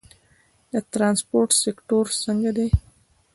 د ترانسپورت سکتور څنګه دی؟